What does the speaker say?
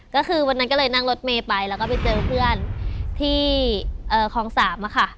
ก็คือวันนั้นก็เลยนั่งรถเมย์ไปแล้วก็ไปเจอเพื่อนที่คลอง๓ค่ะ